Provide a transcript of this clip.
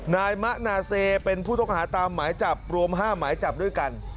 นายมะนาเซเป็นผู้ต้องหาตามหมายจับรวม๕หมายจับด้วยกัน